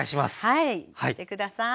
はい見て下さい。